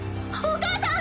お母さん！